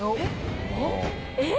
えっ？